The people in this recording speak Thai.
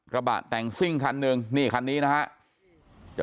ระบาดแต่งซิ่งคันนึงนี่คันนี้นะฮะ